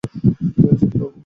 জ্যোতিবাবু বললেন, স্যার বসুন।